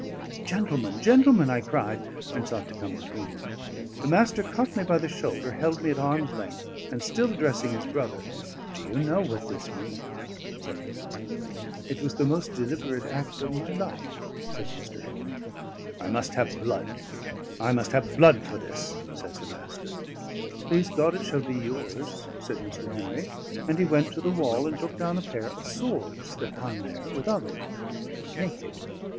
"Gentlemen, gentlemen," I cried, and sought to come between them. The Master caught me by the shoulder, held me at arm's length, and still addressing his brother: "Do you know what this means?" said he. "It was the most deliberate act of my life," says Mr. Henry. "I must have blood, I must have blood for this," says the Master. "Please God it shall be yours," said Mr. Henry; and he went to the wall and took down a pair of swords that hung there with others, naked.